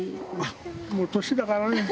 もう年だからね。